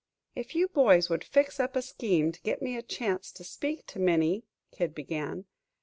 "If you boys would fix up a scheme to get me a chance to speak to Minnie " Kid began.